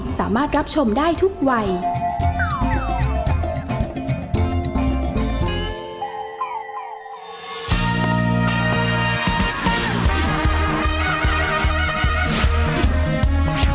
แม่ม่อนประจันทร์บาล